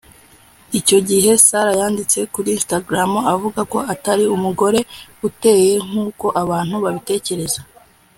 Icyo gihe Sarah yanditse kuri Instagram avuga ko atari umugore uteye nk’uko abantu babitekereza